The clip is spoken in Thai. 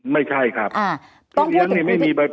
ไม่ใช่ครับ